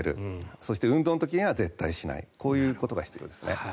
そして運動の時には絶対にしないこういうことが必要ですね。